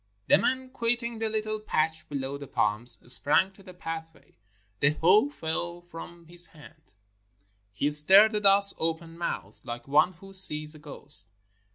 The man, quitting the little patch below the palms, sprang to the pathway. The hoe fell from his hands — he stared at us open mouthed, like one who sees a ghost.